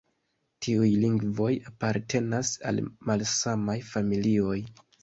Tiuj lingvoj apartenas al malsamaj familioj.